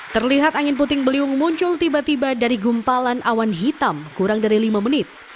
terlihat angin puting beliung muncul tiba tiba dari gumpalan awan hitam kurang dari lima menit